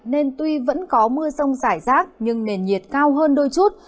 nên tuy vẫn có mưa sông giải rác nhưng nền nhiệt cao hơn đôi chút